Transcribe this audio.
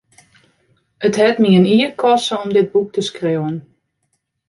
It hat my in jier koste om dit boek te skriuwen.